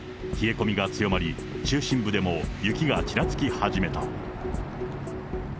冷え込みが強まり、中心部でも雪がちらつき始めた。